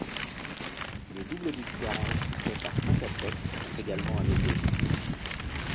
Les doubles victoires enregistrées par cinq athlètes sont également à noter.